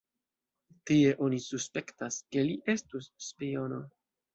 Tie oni suspektas, ke li estus spiono.